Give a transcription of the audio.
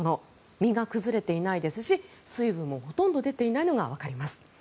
身が崩れていないですし水分もほとんど出ていないのがわかります。